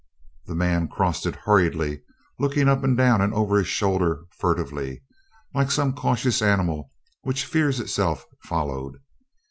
The man crossed it hurriedly, looking up and down and over his shoulder furtively, like some cautious animal which fears itself followed.